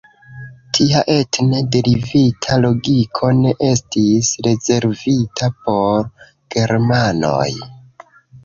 Tia etne derivita logiko ne estis rezervita por Germanoj.